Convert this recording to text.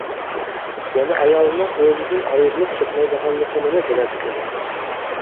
يەنە ئايالىنىڭ ئۆزىدىن ئايرىلىپ كەتمەيدىغانلىقىنىمۇ بىلەتتى.